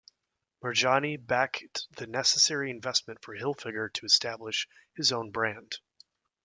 Murjani backed the necessary investment for Hilfiger to establish his own brand.